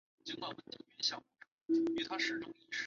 此书是古代南海最早的地志专书。